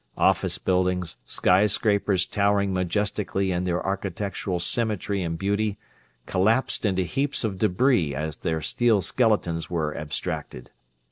Office buildings, skyscrapers towering majestically in their architectural symmetry and beauty, collapsed into heaps of debris as their steel skeletons were abstracted.